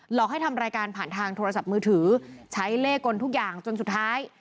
อกให้ทำรายการผ่านทางโทรศัพท์มือถือใช้เลขกลทุกอย่างจนสุดท้าย